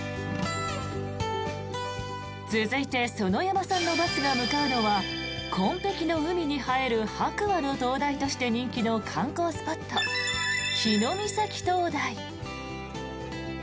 続いて園山さんのバスが向かうのは紺ぺきの海に映える白亜の灯台として人気の観光スポット、日御碕灯台。